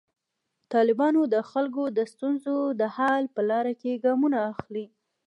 طالبان د خلکو د ستونزو د حل په لاره کې ګامونه اخلي.